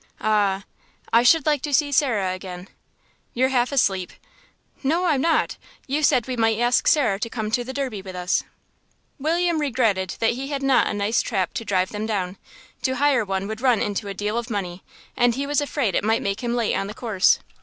"Ah.... I should like to see Sarah again." "You're half asleep." "No, I'm not; you said we might ask Sarah to come to the Derby with us." William regretted that he had not a nice trap to drive them down. To hire one would run into a deal of money, and he was afraid it might make him late on the course.